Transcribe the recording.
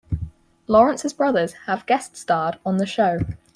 Lawrence's brothers have guest starred on the show.